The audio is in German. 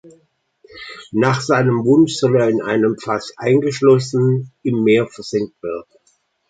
Nach seinem Wunsch soll er, in ein Fass eingeschlossen, im Meer versenkt werden.